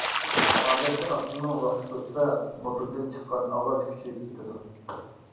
ئادەتتە ئاپتولنىڭ ۋاقتى توشسا موتوردىن چىققان ئاۋاز كۈچىيىپ كېتىدۇ.